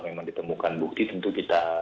memang ditemukan bukti tentu kita